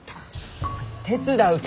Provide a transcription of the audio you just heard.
手伝うき！